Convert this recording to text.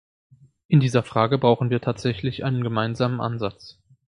In dieser Frage brauchen wir tatsächlich einen gemeinsamen Ansatz.